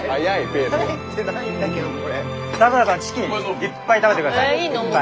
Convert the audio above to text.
咲良さんチキンいっぱい食べてください。